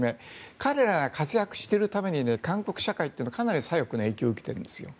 彼らが活躍するために韓国社会はかなり左翼の影響を受けているんです。